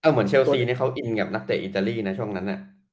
เหมือนเชลซีนี่เขาอินกับนักเตะอิตาลีนะช่วงนั้น